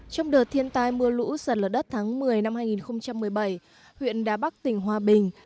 trong đợt thiên tai mưa lũ sạt lở đất tháng một mươi năm hai nghìn một mươi bảy huyện đà bắc tỉnh hòa bình